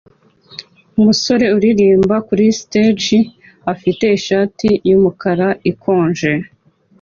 Umusore uririmba kuri stage afite ishati yumukara ikonje